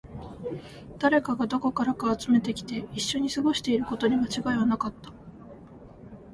誰かがどこからか集めてきて、一緒に過ごしていることに間違いはなかった